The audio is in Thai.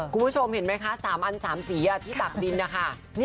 คุณผู้ชมเห็นไหมคะ๓อัน๓สีที่ตักดินนะคะ